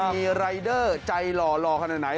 มีรายเดอร์ใจหล่อขนาดไหน